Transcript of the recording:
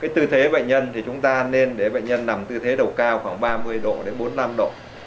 tư thế bệnh nhân thì chúng ta nên để bệnh nhân nằm tư thế đầu cao khoảng ba mươi độ đến bốn mươi năm độ